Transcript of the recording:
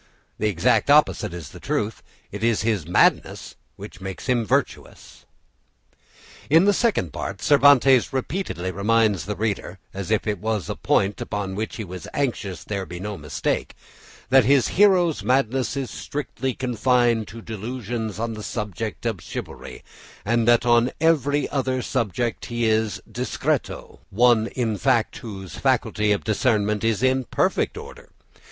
The exact opposite is the truth; it is his madness makes him virtuous. In the Second Part, Cervantes repeatedly reminds the reader, as if it was a point upon which he was anxious there should be no mistake, that his hero's madness is strictly confined to delusions on the subject of chivalry, and that on every other subject he is discreto, one, in fact, whose faculty of discernment is in perfect order.